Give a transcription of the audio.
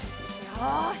よし。